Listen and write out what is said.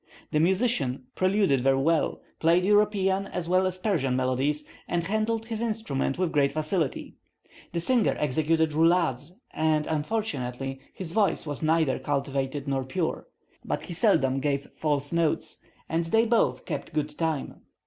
The musician preluded very well, played European as well as Persian melodies, and handled his instrument with great facility; the singer executed roulades, and, unfortunately, his voice was neither cultivated nor pure; but he seldom gave false notes, and they both kept good time.